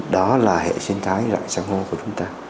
đó là hệ sinh thái rạng sàng hô của chúng ta